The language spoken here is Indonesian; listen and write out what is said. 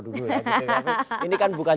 dulu ya ini kan bukan